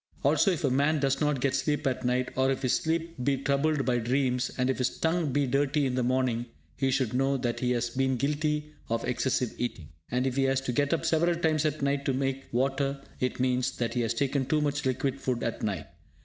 Also, if a man does not get sleep at night, or if his sleep be troubled by dreams, and if his tongue be dirty in the morning, he should know that he has been guilty of excessive eating. And if he has to get up several times at night to make water, it means that he has taken too much liquid food at night.